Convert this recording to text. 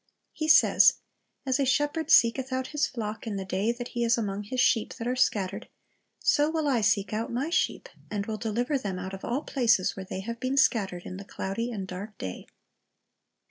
He says, "As a shepherd seeketh out his flock in the day that he is among his sheep that are scattered; so will I seek out My sheep, and will deliver them out of all places where they have been scattered in the cloudy and dark day."